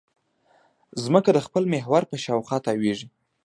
ځمکه د خپل محور په شاوخوا تاوېږي.